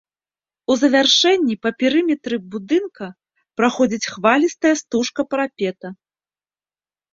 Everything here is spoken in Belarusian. У завяршэнні па перыметры будынка праходзіць хвалістая стужка парапета.